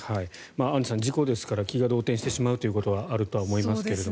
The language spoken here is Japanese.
アンジュさん事故ですから気が動転してしまうということはあるとは思いますが。